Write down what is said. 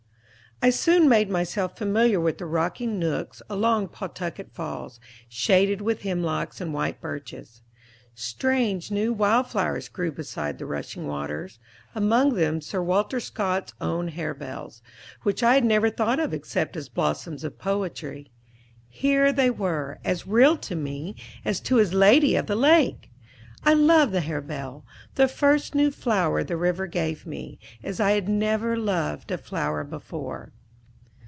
I soon made myself familiar with the rocky nooks along Pawtucket Falls, shaded with hemlocks and white birches. Strange new wild flowers grew beside the rushing waters, among them Sir Walter Scott's own harebells, which I had never thought of except as blossoms of poetry; here they were, as real to me as to his Lady of the Lake! I loved the harebell, the first new flower the river gave me, as I had never loved a flower before.